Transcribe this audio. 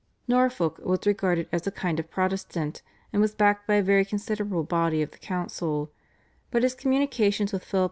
Norfolk was regarded as a kind of Protestant and was backed by a very considerable body of the council, but his communications with Philip II.